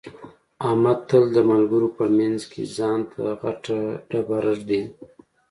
احمد تل د ملګرو په منځ کې ځان ته غټه ډېره ږدي.